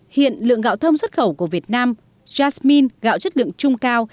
hiện lượng gạo thơm xuất khẩu của việt nam jasmin gạo chất lượng trung cao